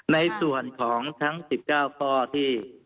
ในส่วนของทั้ง๑๙ข้อที่